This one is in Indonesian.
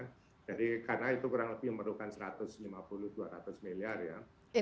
karena itu kurang lebih memerlukan satu ratus lima puluh dua ratus miliar ya